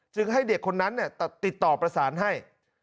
จึงให้เด็กคนนั้นเนี่ยติดต่อประสานให้